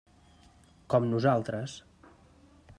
Com nosaltres.